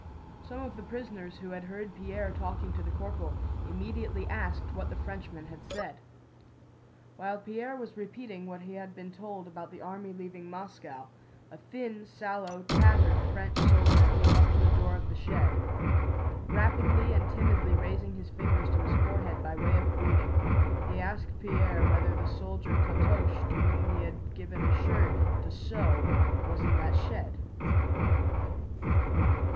Some of the prisoners who had heard Pierre talking to the corporal immediately asked what the Frenchman had said. While Pierre was repeating what he had been told about the army leaving Moscow, a thin, sallow, tattered French soldier came up to the door of the shed. Rapidly and timidly raising his fingers to his forehead by way of greeting, he asked Pierre whether the soldier Platoche to whom he had given a shirt to sew was in that shed.